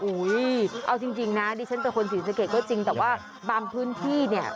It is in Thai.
เอาจริงนะดิฉันเป็นคนศรีสะเกดก็จริงแต่ว่าบางพื้นที่เนี่ย